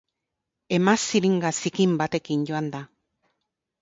Emaziringa zikin batekin joan da...